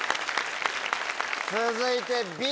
続いてＢ。